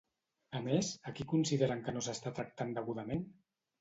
A més, a qui consideren que no s'està tractant degudament?